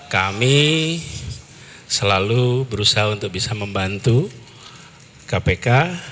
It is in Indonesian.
kami selalu berusaha untuk bisa membantu kpk